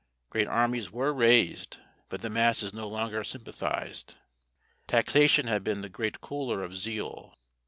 Great armies were raised, but the masses no longer sympathised. Taxation had been the great cooler of zeal.